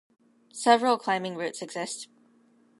Several climbing routes exist.